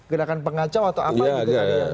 gerakan pengacau atau apa gitu